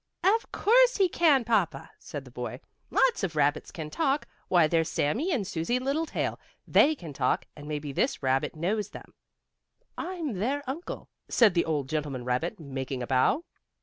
"Of course he can, papa," said the boy. "Lots of rabbits can talk. Why, there's Sammie and Susie Littletail; they can talk, and maybe this rabbit knows them." "I'm their uncle," said the old gentleman rabbit, making a bow.